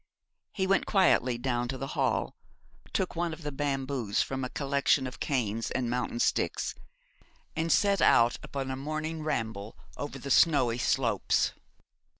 He went quietly down to the hall, took one of the bamboos from a collection of canes and mountain sticks, and set out upon a morning ramble over the snowy slopes.